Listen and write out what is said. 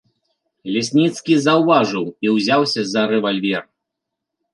Лясніцкі заўважыў і ўзяўся за рэвальвер.